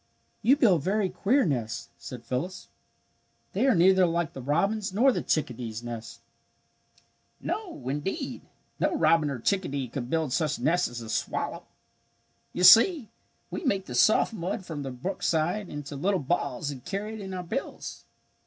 "You build very queer nests," said Phyllis. "They are neither like the robin's nor the chickadee's nests." "No, indeed, no robin or chickadee could build such nests as the swallow. You see we make the soft mud from the brookside into little balls and carry it in our bills.